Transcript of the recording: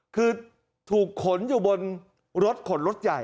คือถูกขนอยู่บนรถขนรถใหญ่